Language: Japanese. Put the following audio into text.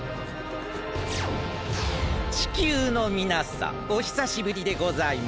地球のみなさんおひさしぶりでございます。